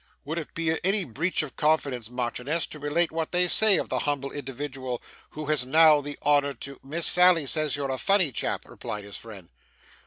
'Would it be any breach of confidence, Marchioness, to relate what they say of the humble individual who has now the honour to ?' 'Miss Sally says you're a funny chap,' replied his friend.